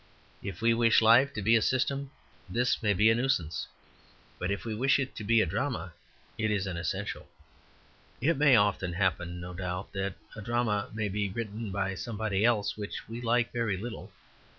If we wish life to be a system, this may be a nuisance; but if we wish it to be a drama, it is an essential. It may often happen, no doubt, that a drama may be written by somebody else which we like very little.